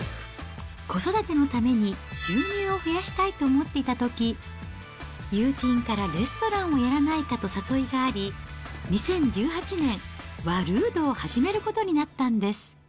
子育てのために収入を増やしたいと思っていたとき、友人からレストランをやらないかと誘いがあり、２０１８年、ワルードを始めることになったんです。